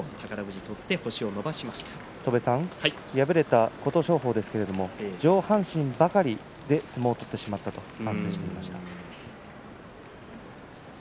敗れた琴勝峰ですが上半身ばかりで相撲を取ってしまったと話していました。